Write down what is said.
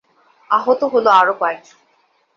আহত হলো আরও কয়েকজন।